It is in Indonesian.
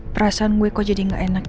perasaan gue kok jadi gak enak